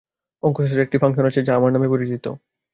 অঙ্কশাস্ত্রের একটি ফাংশান আছে, যা আমার নামে পরিচিত।